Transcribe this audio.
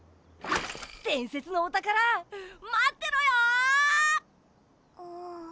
でんせつのおたからまってろよ！